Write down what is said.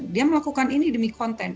dia melakukan ini demi konten